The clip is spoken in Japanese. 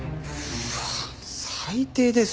うわっ最低ですね。